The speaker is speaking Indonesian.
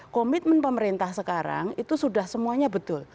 komitmen pemerintah sekarang itu sudah semuanya betul